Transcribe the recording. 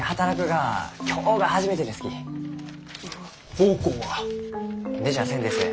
奉公は？出ちゃあせんです。